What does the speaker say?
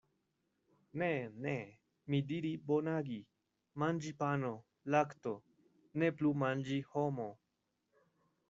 Ne, ne, mi diri bonagi, manĝi pano, lakto, ne plu manĝi homo.